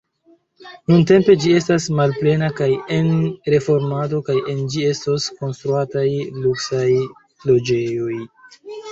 Nuntempe ĝi estas malplena kaj en reformado, kaj en ĝi estos konstruataj luksaj loĝejoj.